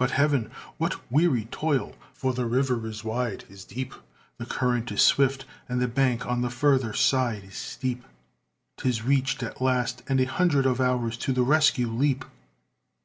But Heaven! what weary toil! for the river is wide, is deep; The current is swift, and the bank on the further side is steep. 'Tis reached at last, and a hundred of ours to the rescue leap.